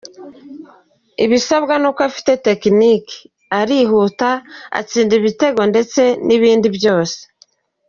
ibisabwa kuko afite tekiniki, arihuta, atsinda ibitego ndetse nibindi byose.